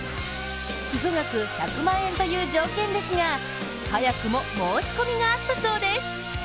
寄付額１００万円という条件ですが早くも申し込みがあったそうです。